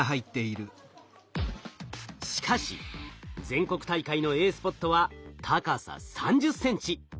しかし全国大会のＡスポットは高さ３０ｃｍ。